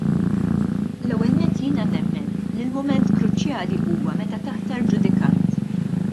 L-ewwel nett jiena nemmen li l-mument kruċjali huwa meta taħtar ġudikant.